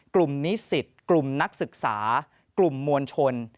นิสิตกลุ่มนักศึกษากลุ่มมวลชน